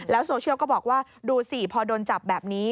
โซเชียลก็บอกว่าดูสิพอโดนจับแบบนี้